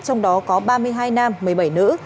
trong đó có ba mươi hai nam một mươi bảy nữ